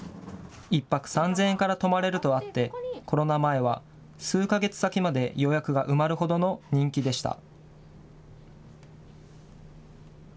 １泊３０００円から泊まれるとあって、コロナ前は数か月先まで予約が埋まるほどの人気でした。